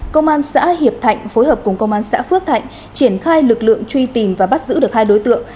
công an xã hiệp thạnh phối hợp cùng công an xã phước thạnh triển khai lực lượng truy tìm và bắt giữ được hai đối tượng